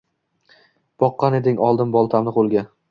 Boqqan eding, oldim boltamni qo’lga.